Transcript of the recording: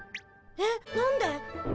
えっ何で？